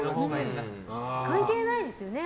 関係ないですよね